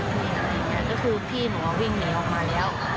แต่พอนั้นเขาก็เป็นนักมวยเก่าอะไรอย่างเงี้ยก็คือพี่เหมือนว่าวิ่งเหนียวออกมาแล้ว